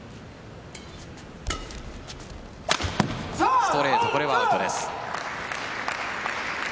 ストレート、これはアウトです。